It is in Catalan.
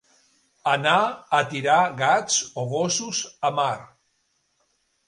Anar a tirar gats o gossos a mar.